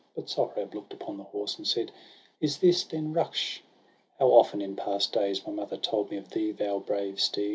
But Sohrab look'd upon the horse and said: —' Is this, then, Ruksh .? How often, in past days. My mother told me of thee, thou brave steed.